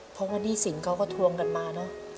เพราะว่าหนี้สินเขาก็ทวงกันมาเนอะ